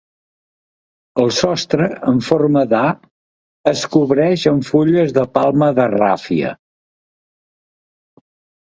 El sostre en forma d'A es cobreix amb fulles de palma de ràfia.